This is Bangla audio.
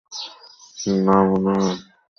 না মনে হয়।